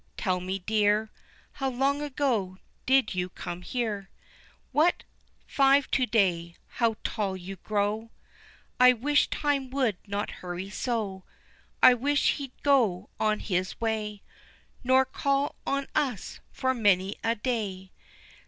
Tell me dear, How long ago did you come here? What? five to day how tall you grow! I wish time would not hurry so, I wish he'd just go on his way, Nor call on us for many a day.